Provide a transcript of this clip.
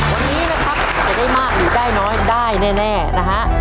วันนี้นะครับจะได้มากหรือได้น้อยได้แน่นะฮะ